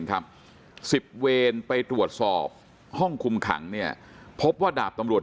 ครับ๑๐เวรไปตรวจสอบห้องคุมขังเนี่ยพบว่าดาบตำรวจ